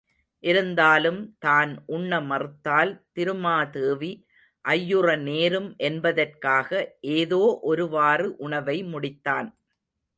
இருந்தாலும் தான் உண்ண மறுத்தால் திருமா தேவி ஐயுற நேரும் என்பதற்காக ஏதோ ஒருவாறு உணவை முடித்தான்.